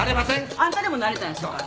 あんたでもなれたんやさかい。